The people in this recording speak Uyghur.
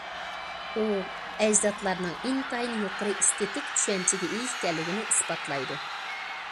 ئۇ ئەجدادلارنىڭ ئىنتايىن يۇقىرى ئېستېتىك چۈشەنچىگە ئىگە ئىكەنلىكىنى ئىسپاتلايدۇ.